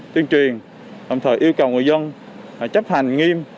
tuyên truyền đồng thời yêu cầu người dân chấp hành nghiêm